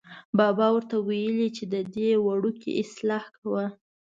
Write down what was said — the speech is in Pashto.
بابا ور ته ویلې چې ددې وړکو اصلاح کوه.